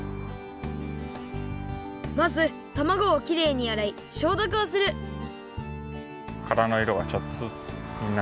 まずたまごをきれいにあらいしょうどくをするおおきさもちょっとずつちがうかな。